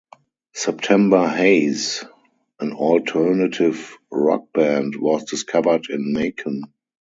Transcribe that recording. September Hase, an alternative rock band, was discovered in Macon.